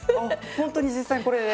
ほんとに実際にこれで？